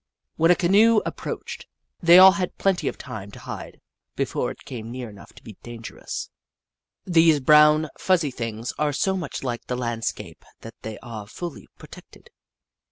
When a canoe ap proached, they all had plenty of time to hide before it came near enough to be dangerous. These brown, fuzzy things are so much like the landscape that they are fully protected.